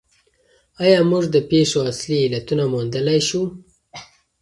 آیا موږ د پېښو اصلي علتونه موندلای شو؟